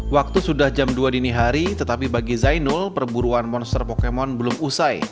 waktu sudah jam dua dini hari tetapi bagi zainul perburuan monster pokemon belum usai